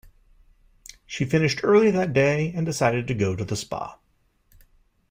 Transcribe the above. She finished early that day, and decided to go to the spa.